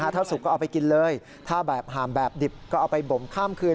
ถ้าสุกก็เอาไปกินเลยถ้าแบบห่ามแบบดิบก็เอาไปบ่มข้ามคืน